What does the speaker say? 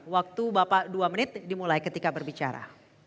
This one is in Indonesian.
waktu bapak dua menit dimulai ketika berbicara